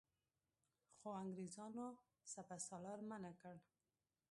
خو انګرېزانو سپه سالار منع کړ.